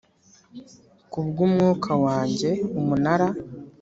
ku bw umwuka wanjye Umunara